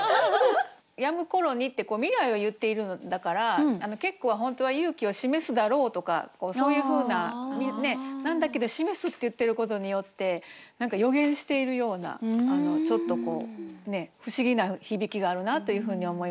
「やむ頃に」って未来を言ってるのだから結句は本当は「勇気を示すだろう」とかそういうふうななんだけど「示す」って言ってることによって何か予言しているようなちょっと不思議な響きがあるなというふうに思いました。